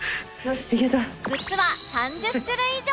グッズは３０種類以上！？